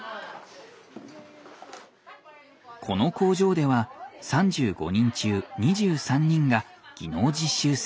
この工場では３５人中２３人が技能実習生。